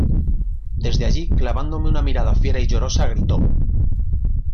desde allí, clavándome una mirada fiera y llorosa, gritó: